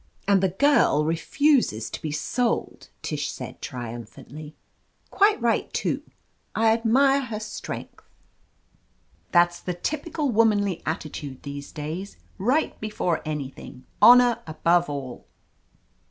"And the girl refuses to be sold !" Tish said triumphantly. "Quite right, too. I admire her strength. That's the typical womanly atti 254 OF LETITIA CARBERRY tude these days — right before anything, honor above all."